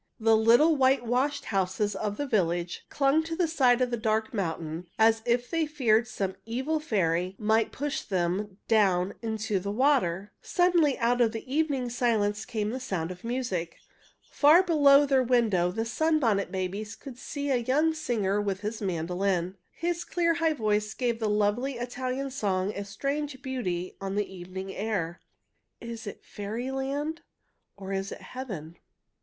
The little whitewashed houses of the village clung to the side of the dark mountain as if they feared some evil fairy might push them down into the water. Suddenly out of the evening silence came the sound of music. Far below their window the Sunbonnet Babies could see a young singer with his mandolin. His clear, high voice gave the lovely Italian song a strange beauty on the evening air. "Is it fairyland, or is it heaven?"